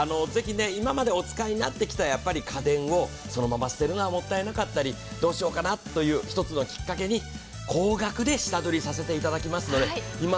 ぜひ今までお使いになってきた家電をそのまま捨てるのはもったいなかったり、どうしようかなという１つのきっかけに高額で下取りさせていただきますので。